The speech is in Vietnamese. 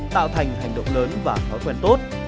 tạo thành hành động lớn và khó khăn tốt